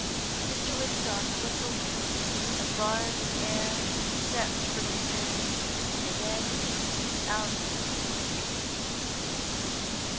Mr. Woodstock whistled a bar of an air, stepped from the room, and thence out into the streets.